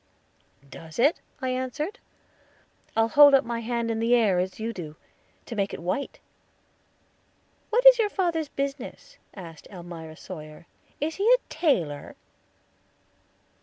"Does it?" I answered; "I'll hold up my hand in the air, as you do, to make it white." "What is your father's business?" asked Elmira Sawyer, "is he a tailor?"